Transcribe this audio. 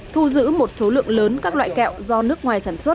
thu giữ một số lượng lớn các loại kẹo do nước ngoài sản xuất